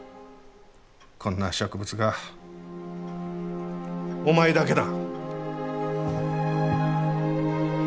こんな植物画お前だけだ。